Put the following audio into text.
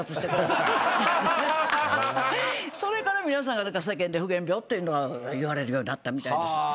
それから皆さんが世間で夫源病っていうのは言われるようになったみたいです。